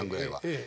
ええ。